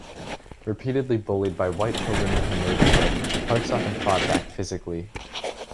Repeatedly bullied by white children in her neighborhood, Parks often fought back physically.